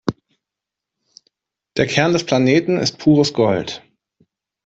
Der Kern des Planeten ist pures Gold.